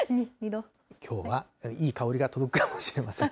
きょうはいい香りが届くかもしれません。